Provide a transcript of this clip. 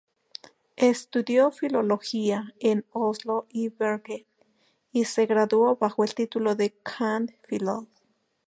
Estudió filología en Oslo y Bergen, y se graduó bajo el título de cand.philol.